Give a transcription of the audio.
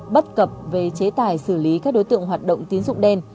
bất cập về chế tài xử lý các đối tượng hoạt động tín dụng đen